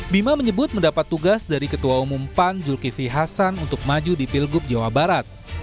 bima menyebut mendapat tugas dari ketua umum pan zulkifli hasan untuk maju di pilgub jawa barat